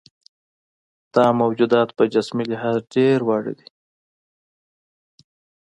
دا موجودات په جسمي لحاظ ډېر واړه وي.